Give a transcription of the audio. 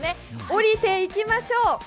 下りていきましょう。